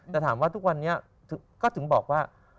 แต่ถามว่าทุกวันนี้ก็ถึงบอกว่า